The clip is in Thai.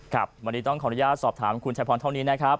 ครับวันนี้ต้องขออนุญาตสอบถามคุณชายพรเท่านี้นะครับ